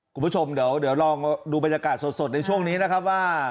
คุณผู้ชมเดี๋ยวลองดูบรรยากาศสดในช่วงนี้นะครับว่า